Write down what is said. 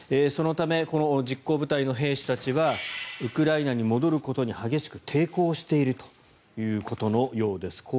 そのためこの実行部隊の兵士たちはウクライナに戻ることに激しく抵抗しているということのようです。